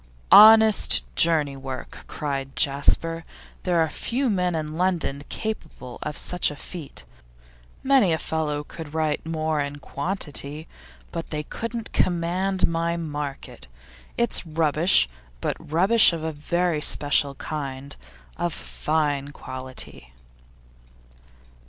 'Honest journey work!' cried Jasper. 'There are few men in London capable of such a feat. Many a fellow could write more in quantity, but they couldn't command my market. It's rubbish, but rubbish of a very special kind, of fine quality.